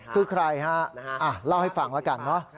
คือใครฮะอ่าเล่าให้ฟังก่อน